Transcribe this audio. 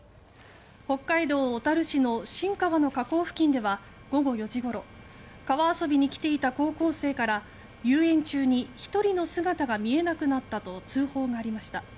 北海道小樽市の新川の河口付近では午後４時ごろ川遊びにきていた高校生から遊泳中に１人の姿が見えなくなったと通報がありました。